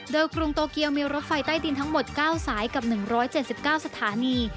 โดยกรุงโตเกียวมีรถไฟใต้ดินทั้งหมด๙สายกับ๑๗๙สถานี